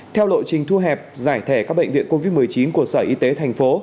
theo lộ trình thu hẹp giải thẻ các bệnh viện covid một mươi chín của sở y tế tp